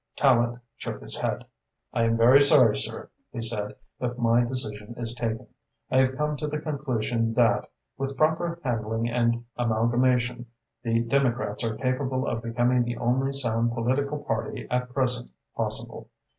Tallente shook his head. "I am very sorry, sir," he said, "but my decision is taken. I have come to the conclusion that, with proper handling and amalgamation, the Democrats are capable of becoming the only sound political party at present possible.